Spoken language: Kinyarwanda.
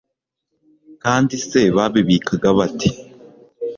kandi se babibikaga bate